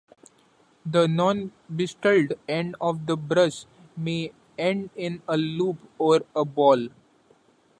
The non-bristled end of the brush may end in a loop or a ball.